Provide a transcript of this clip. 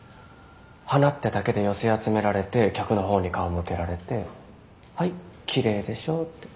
花ってだけで寄せ集められて客の方に顔向けられてはい奇麗でしょって。